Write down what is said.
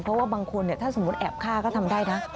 เพราะว่าบางคนถ้าสมมุติแอบฆ่าก็ทำได้นะ